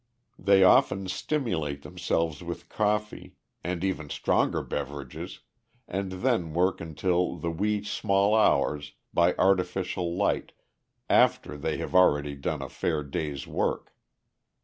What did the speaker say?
They often stimulate themselves with coffee, and even stronger beverages, and then work until the "wee sma' hours," by artificial light, after they have already done a fair day's work.